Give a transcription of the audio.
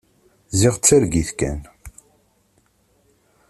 Ziɣ d targit kan.